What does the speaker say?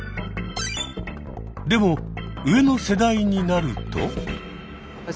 でも上の世代になると。